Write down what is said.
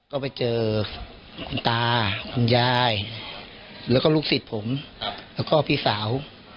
ก็ไปเจอคุณตาคุณยายแล้วก็ลูกศิษย์ผมแล้วก็พี่สาว